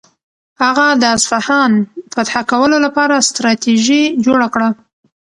هغه د اصفهان فتح کولو لپاره ستراتیژي جوړه کړه.